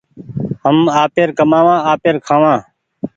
هم آپير ڪمآوآ آپير کآوان